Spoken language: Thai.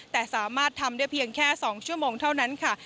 แต่สามารถทำได้เพียงแค่๒ชั่วโมงเท่านั้นค่ะ